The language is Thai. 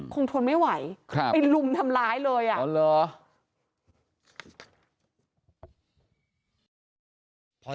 คงทนไม่ไหวครับไปลุมทำร้ายเลยอ่ะอ๋อเหรอ